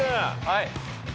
はい。